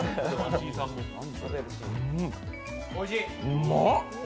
うまっ！